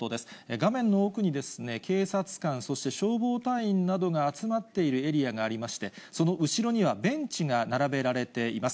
画面の奥に警察官、そして消防隊員などが集まっているエリアがありまして、その後ろにはベンチが並べられています。